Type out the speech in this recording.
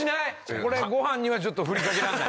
これご飯にはちょっとふりかけらんない。